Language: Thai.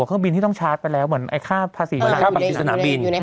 เครื่องบินที่ต้องชาร์จไปแล้วเหมือนไอ้ค่าภาษีอยู่ในอยู่ใน